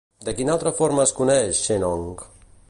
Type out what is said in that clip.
De quina altra forma es coneix Shennong?